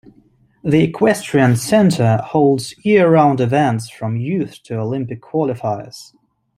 The equestrian center holds year-round events from youth to Olympic qualifiers.